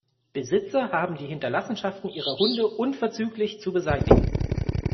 Besitzer haben die Hinterlassenschaften ihrer Hunde unverzüglich zu beseitigen.